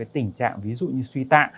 tình trạng ví dụ như suy tạ